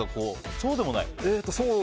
そうでもない？